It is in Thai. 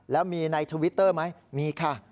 แล้วมีในทวิตเตอร์ไหมมีค่ะ